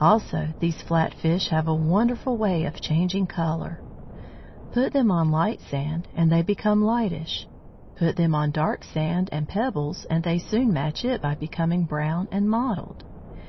Also, these flat fish have a wonderful way of changing colour. Put them on light sand, and they become lightish. Put them on dark sand and pebbles, and they soon match it by becoming brown and mottled.